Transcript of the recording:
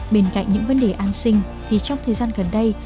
bên cạnh những vấn đề an sinh thì trong thời gian gần đây